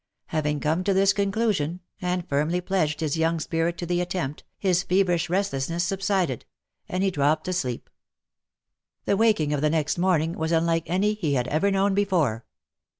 Having come to this conclusion, and firmly pledged his young spirit to the attempt, his feverish restlessness subsided, and he dropped asleep. The waking of the next morning was unlike any he had ever known before.